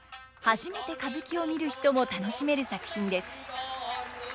初めて歌舞伎を見る人も楽しめる作品です。